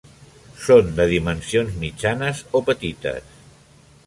Són de dimensions mitjanes o petites.